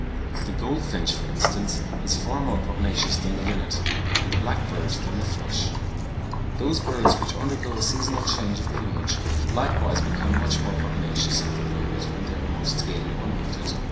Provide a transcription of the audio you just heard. The goldfinch, for instance, is far more pugnacious than the linnet, and the blackbird than the thrush. Those birds which undergo a seasonal change of plumage likewise become much more pugnacious at the period when they are most gaily ornamented.